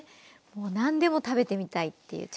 もう何でも食べてみたいっていう。